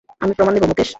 আমি প্রমাণ দেব, মুকেশ।